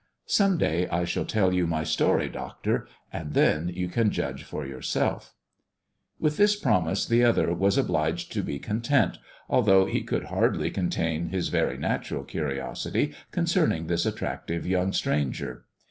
" Some day I shall tell you my story, doctor, and then you can judge for yourself." THE dwarf's chamber 41 With this promise the other was obliged to be content, although he could hardly contain his very natural curiosity concerning this attractive young stranger.